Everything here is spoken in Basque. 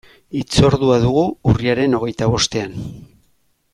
Hitzordua dugu urriaren hogeita bostean.